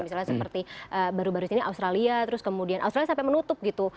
misalnya seperti baru baru di sini australia terus kemudian australia sampai menutup gitu